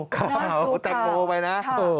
ข่าวแตงโมไปนะ